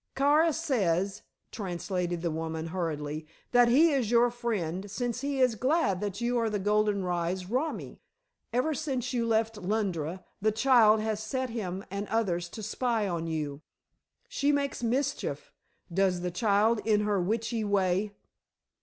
"Kara says," translated the woman hurriedly, "that he is your friend, since he is glad you are the golden rye's romi. Ever since you left Lundra the child has set him and others to spy on you. She makes mischief, does the child in her witchly way."